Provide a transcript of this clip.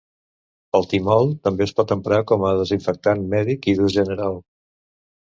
El timol també es pot emprar com a desinfectant mèdic i d'ús general.